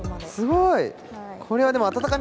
すごい。